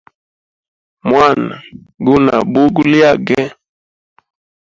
Mwana guna bugo lyage.